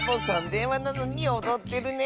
でんわなのにおどってるね。